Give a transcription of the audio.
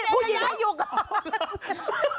พูดยืนให้อยู่ก่อน